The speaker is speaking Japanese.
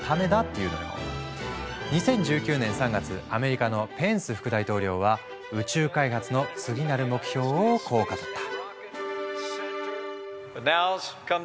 ２０１９年３月アメリカのペンス副大統領は宇宙開発の次なる目標をこう語った。